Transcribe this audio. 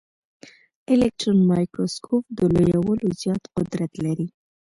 الکټرون مایکروسکوپ د لویولو زیات قدرت لري.